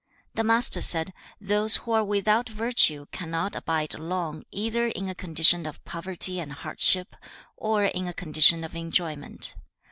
The Master said, 'Those who are without virtue cannot abide long either in a condition of poverty and hardship, or in a condition of enjoyment.